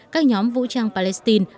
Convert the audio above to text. các nhóm vũ trang palestine